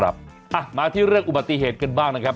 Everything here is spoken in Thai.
มาที่เรื่องอุบัติเหตุกันบ้างนะครับ